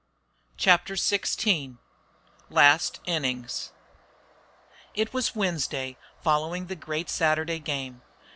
CHAPTER XVI LAST INNINGS It was Wednesday following the great Saturday game.